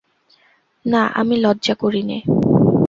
না, আমি লজ্জা করি নে।